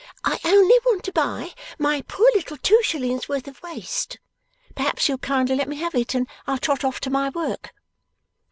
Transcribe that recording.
I only want to buy my poor little two shillings' worth of waste. Perhaps you'll kindly let me have it, and I'll trot off to my work.